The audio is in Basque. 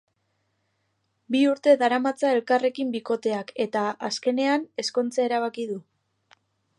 Bi urte daramatza elkarrekin bikoteak eta, azkenean, ezkontzea erabaki du.